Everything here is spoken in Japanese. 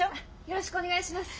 よろしくお願いします。